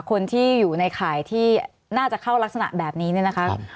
คนที่อยู่ในข่ายที่น่าจะเข้ารักษณะแบบนี้เนี่ยนะคะ